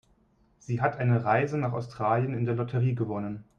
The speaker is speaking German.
Sie hat eine Reise nach Australien in der Lotterie gewonnen.